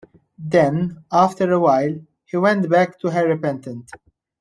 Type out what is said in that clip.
Then, after a while, he went back to her repentant.